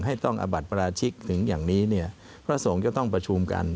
ต้องอบัติปราชิกถึงอย่างนี้เนี่ยพระสงฆ์จะต้องประชุมกัน